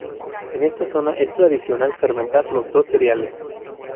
En esta zona es tradicional fermentar los dos cereales.